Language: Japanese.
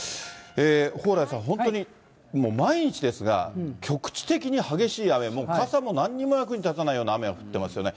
蓬莱さん、本当に毎日ですが、局地的に激しい雨、もう傘もなんにも役に立たないような雨が降ってますよね。